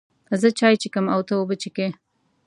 زه چای څښم او ته اوبه څښې